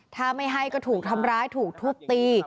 ถ้าไม่ให้ก็ถูกทำร้ายถูกทุบตี